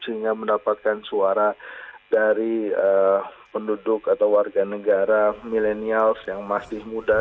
sehingga mendapatkan suara dari penduduk atau warga negara milenials yang masih muda